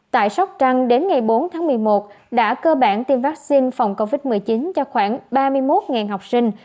tại sóc trăng đến ngày bốn tháng một mươi một đã cơ bản tiêm vaccine phòng covid một mươi chín cho khoảng ba mươi một học sinh